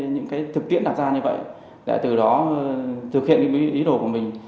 những thực tiễn đạt ra như vậy để từ đó thực hiện ý đồ của mình